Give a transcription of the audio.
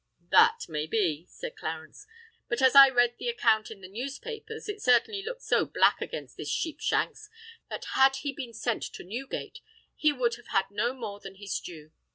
"That may be," said Clarence. "But as I read the account in the newspapers, it certainly looked so black against this Sheepshanks, that had he been sent to Newgate, he would have had no more than his due.